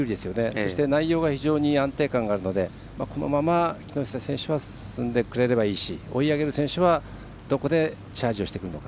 そして、内容が非常に安定感があるのでこのまま木下選手は進んでくれればいいし追い上げる選手はどこで、チャージをしてくるのか。